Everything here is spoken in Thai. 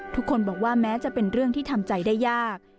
ทุกคนบอกว่าแม้จะเป็นเรื่องที่ทำใจได้ยาก